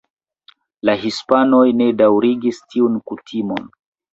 La hispanoj ne daŭrigis tiun kutimon.